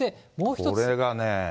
これがね。